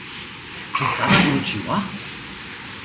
"Czy Sara wróciła?"